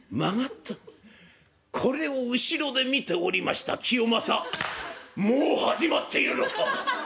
これを後ろで見ておりました清正「もう始まっているのか！